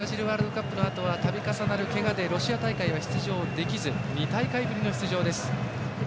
ただ、ブラジルワールドカップのあとは度重なるけがでロシア大会には出場できず２大会ぶりの出場です。